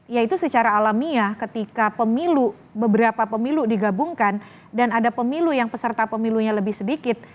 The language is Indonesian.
yaitu secara alamiah ketika pemilu beberapa pemilu digabungkan dan ada pemilu yang peserta pemilunya lebih sedikit